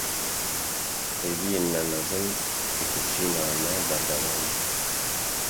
Hêviyên me mezin, têkoşîna me berdewam e!